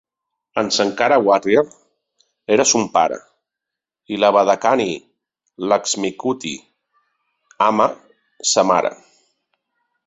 En Sankara Warrier era son pare i la Vadakkani Lakshmikutty Amma, sa mare.